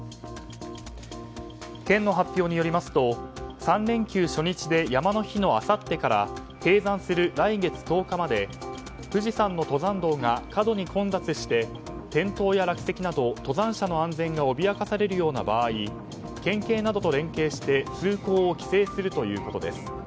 県の発表によりますと３連休初日で山の日のあさってから閉山する来月１０日まで富士山の登山道が過度に混雑して転倒や落石など、登山者の安全が脅かされるような場合県警などと連携して通行を規制するということです。